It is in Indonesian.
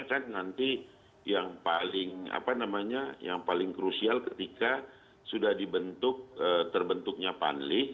dan jarak waktu ini akan nanti yang paling apa namanya yang paling krusial ketika sudah dibentuk terbentuknya panlih